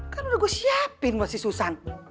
kan udah gua siapin buat si susan